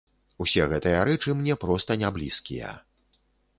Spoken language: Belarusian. Усе гэтыя рэчы мне проста не блізкія.